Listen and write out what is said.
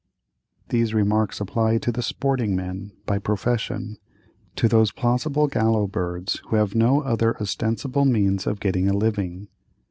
These remarks apply to the "sporting men," by profession—to those plausible gallows birds who have no other ostensible means of getting a living.